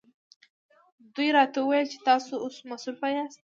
دوی راته وویل چې تاسو اوس مصروفه یاست.